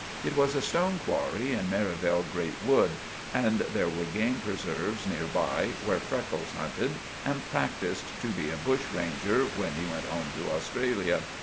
It was a stone qwarry in Merivale Grate Wood, and there were game preserves near by, where Freckles hunted and practiced to be a bush ranger when he went home to Australia.